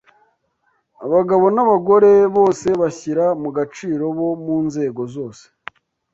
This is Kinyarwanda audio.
abagabo n’abagore bose bashyira mu gaciro bo mu nzego zose